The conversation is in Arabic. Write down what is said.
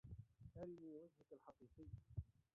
أرني وجهك الحقيقي.